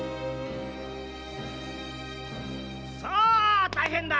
さあ大変だ‼